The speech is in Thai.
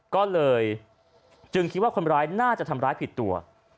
ก็เลยจึงคิดว่าคนร้ายน่าจะทำร้ายผิดตัว